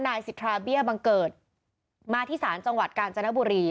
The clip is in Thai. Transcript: นายสิทธาเบี้ยบังเกิดมาที่ศาลจังหวัดกาญจนบุรี